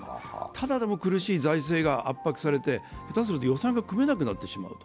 ただでも苦しい財政が圧迫されて下手すると予算が組めなくなってしまう。